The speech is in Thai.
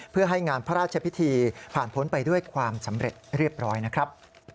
เพื่อให้งานพระราชพิธีผ่านพ้นไปด้วยความสำเร็จเรียบร้อยนะครับ